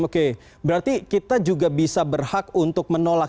oke berarti kita juga bisa berhak untuk menolak